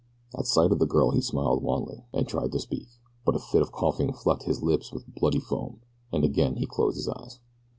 At sight of the girl he smiled wanly, and tried to speak, but a fit of coughing flecked his lips with bloody foam, and again he closed his eyes.